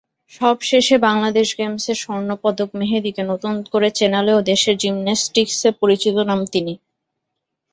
সবশেষে বাংলাদেশ গেমসে স্বর্ণপদক মেহেদীকে নতুন করে চেনালেও দেশের জিমন্যাস্টিকসে পরিচিত নাম তিনি।